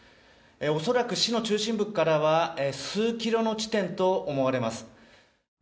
恐らく市の中心部からは数キロの地点と思われます。